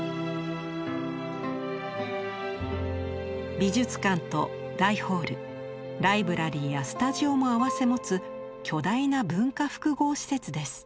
美術館と大ホールライブラリーやスタジオも併せ持つ巨大な文化複合施設です。